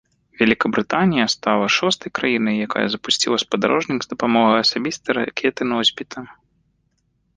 Вялікабрытанія стала шостай краінай, якая запусціла спадарожнік з дапамогай асабістай ракеты-носьбіта.